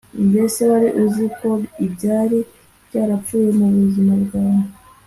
Mbese wari uzi ko ibyari byarapfuye mu buzima bwawe